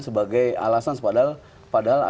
sebagai alasan padahal